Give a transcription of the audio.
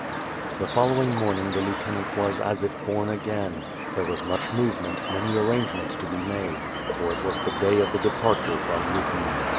Tlie following morning the lieutenant was as if born again; there was much movement, many arrangements to be made; for it was the day of the departure from Lubni.